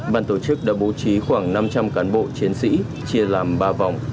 bàn tổ chức đã bố trí khoảng năm trăm linh cán bộ chiến sĩ chia làm ba vòng